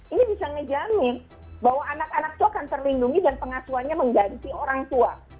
ini bisa ngejamin bahwa anak anak itu akan terlindungi dan pengasuhannya mengganti orang tua